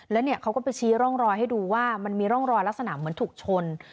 แล้วเนี่ยเขาก็ไปชี้ร่องรอยให้ดูว่ามันมีร่องรอยลักษณะเหมือนถูกชน